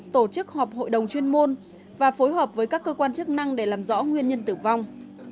tổ chức họp hội đồng chuyên môn và phối hợp với các cơ quan chức năng để làm rõ nguyên nhân tử vong